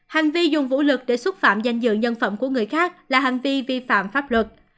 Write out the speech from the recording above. hành vi dùng vũ lực để xúc phạm danh dự nhân phẩm của người khác là hành vi vi phạm pháp luật